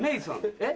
えっ？